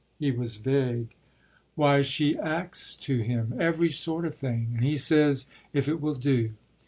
He was vague. "Why she acts to him every sort of thing and he says if it will do."